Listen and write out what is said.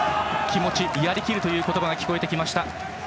気持ち、やりきるという言葉が聞こえてきました。